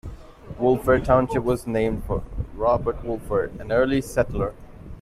Wolford Township was named for Robert Wolford, an early settler.